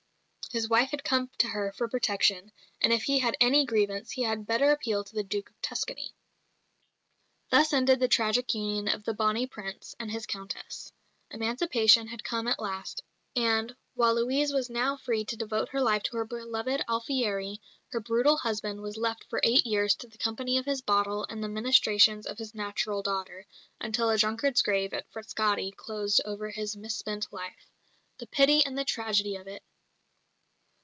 His wife had come to her for protection; and if he had any grievance he had better appeal to the Duke of Tuscany. Thus ended the tragic union of the "Bonnie Prince" and his Countess. Emancipation had come at last; and, while Louise was now free to devote her life to her beloved Alfieri, her brutal husband was left for eight years to the company of his bottle and the ministrations of his natural daughter, until a drunkard's grave at Frascati closed over his mis spent life. The pity and the tragedy of it!